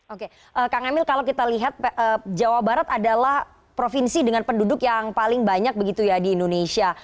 oke kang emil kalau kita lihat jawa barat adalah provinsi dengan penduduk yang paling banyak begitu ya di indonesia